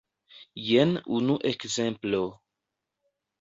Jen unu ekzemplo.